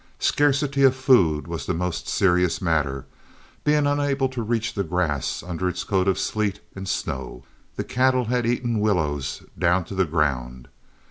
Scarcity of food was the most serious matter; being unable to reach the grass under its coat of sleet and snow, the cattle had eaten the willows down to the ground.